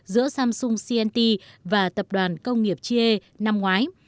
giữa samsung cnt và tập đoàn công nghiệp chia năm ngoái